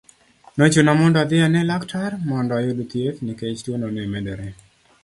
Nochuna mondo adhi ane laktar, mondo ayud thieth nikech tuono ne medore.